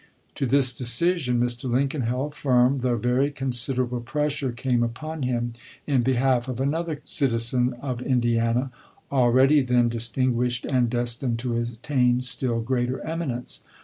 To this decision Mr. Lincoln held firm, though very considerable pressure came upon him in behalf of another citi zen of Indiana, already then distinguished and destined to attain still greater eminence.